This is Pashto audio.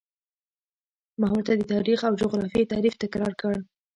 ما ورته د تاریخ او جغرافیې تعریف تکرار کړ.